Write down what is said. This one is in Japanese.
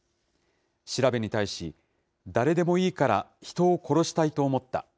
調べに対し、誰でもいいから人を殺したいと思った。